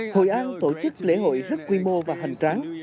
hội an tổ chức lễ hội rất quy mô và hoành tráng